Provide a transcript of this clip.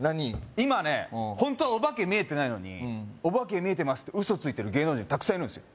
今ねホントはオバケ見えてないのに見えてますって嘘ついてる芸能人たくさんいるんですよ